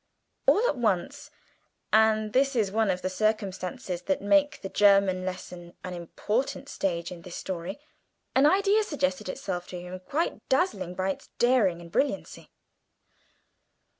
All at once and this is one of the circumstances that make the German lesson an important stage in this story an idea suggested itself to him quite dazzling by its daring and brilliancy.